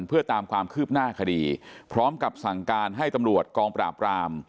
เพื่อตามความคืบหน้าคดีพร้อมกับสั่งการให้ตำรวจกองปราบราม